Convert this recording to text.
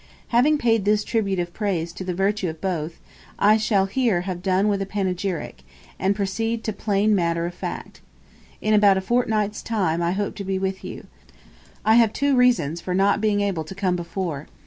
Having paid this tribute of praise to the virtue of both, I shall here have done with panegyric, and proceed to plain matter of fact. In about a fortnight's time I hope to be with you. I have two reasons for not being able to come before.